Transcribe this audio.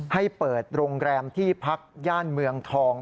ให้เปิดโรงแรมที่พักย่านเมืองทอง